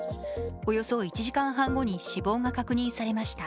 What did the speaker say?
およそ１時間半後に死亡が確認されました。